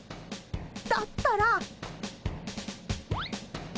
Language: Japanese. だったら。